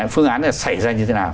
phương án xảy ra như thế nào